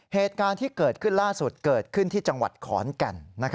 เหตุการณ์ที่เกิดขึ้นล่าสุดเกิดขึ้นที่จังหวัดขอนแก่น